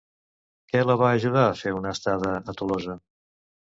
Què la va ajudar a fer una estada a Tolosa?